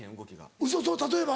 ウソ例えば？